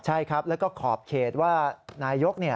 ใช่ครับแล้วก็ขอบเขตว่านายก